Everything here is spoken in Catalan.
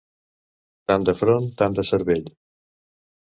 Tant de front, tant de cervell.